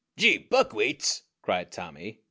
"Gee! Buckwheats!" cried Tommy.